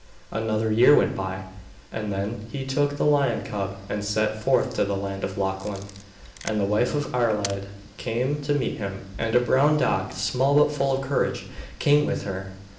Another year went by, and then he took the lion cub and set forth to the land of Lochlann. And the wife of Iarlaid came to meet him, and a brown dog, small but full of courage, came with her.